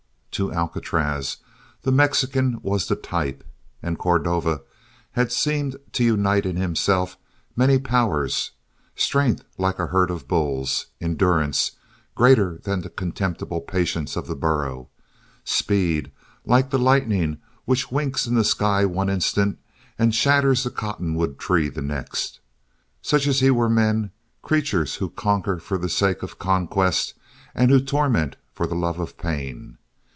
To Alcatraz the Mexican was the type, and Cordova had seemed to unite in himself many powers strength like a herd of bulls, endurance greater than the contemptible patience of the burro, speed like the lightning which winks in the sky one instant and shatters the cottonwood tree the next. Such as he were men, creatures who conquer for the sake of conquest and who torment for the love of pain.